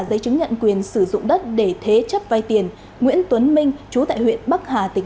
giấy chứng nhận quyền sử dụng đất để thế chấp vay tiền nguyễn tuấn minh chú tại huyện bắc hà tỉnh